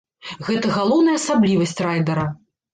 Гэта галоўная асаблівасць райдара.